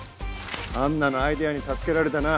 アンナのアイデアに助けられたな。